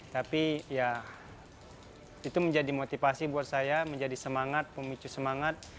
tapi ya itu menjadi motivasi buat saya menjadi semangat pemicu semangat